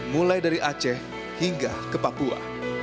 mulai dari aceh hingga ke papua